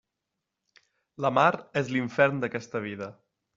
La mar és l'infern d'aquesta vida.